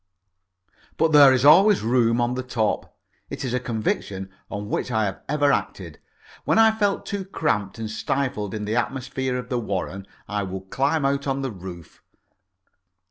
But there is always room on the top it is a conviction on which I have ever acted. When I felt too cramped and stifled in the atmosphere of the Warren, I would climb out on the roof.